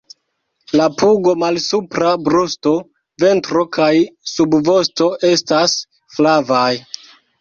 La pugo, malsupra brusto, ventro kaj subvosto estas flavaj.